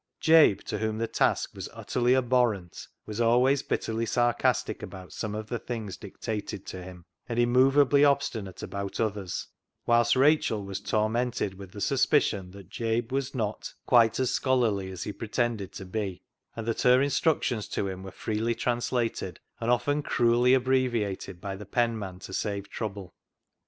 Jabe, to whom the task was utterly abhor rent, was always bitterly sarcastic about some of the things dictated to him, and immovably obstinate about others, whilst Rachel was tor mented with the suspicion that Jabe was not quite as scholarly as he pretended to be, and that her instructions to him were freely trans lated, and often cruelly abbreviated, by the penman to save trouble.